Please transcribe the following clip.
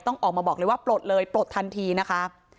ต้องออกมาบอกเลยว่าปลดเลยปลดทันทีนะคะ